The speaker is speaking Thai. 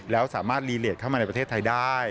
แล้วสามารถรีเลสเข้ามาในประเทศไทยได้